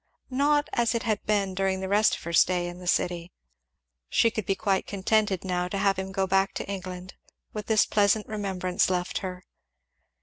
Not as it had been during the rest of her stay in the city. She could be quite contented now to have him go back to England, with this pleasant remembrance left her.